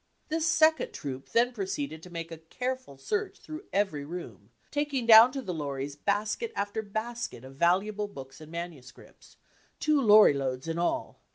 This second troop then proceeded to m^ke a careful search through every room, taking down to the lorries basket after basket of valuable books and manuscripts— two lorry loads in all.